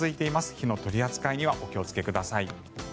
火の取り扱いにはお気をつけください。